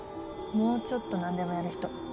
もうちょっと何でもやる人。